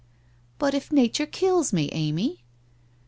' But if Nature kills me, Amy?